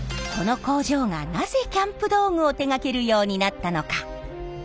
この工場がなぜキャンプ道具を手がけるようになったのか？